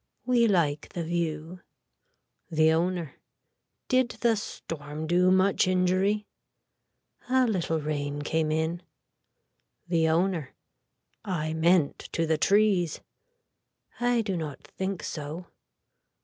We like the view. (The owner.) Did the storm do much injury. A little rain came in. (The owner.) I meant to the trees. I do not think so.